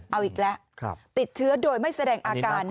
เอาอีกแล้วติดเชื้อโดยไม่แสดงอาการ